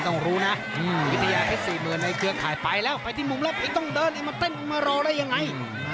ต้องรู้นะวิทยาเพชร๔๐๐๐ในเครือข่ายไปแล้วไปที่มุมแล้วไม่ต้องเดินไอ้มาเต้นมารอได้ยังไง